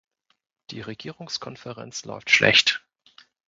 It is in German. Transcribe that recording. Die Regierungskonferenz läuft schlecht.